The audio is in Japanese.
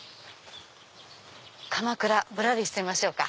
鎌倉ぶらりしてみましょうか。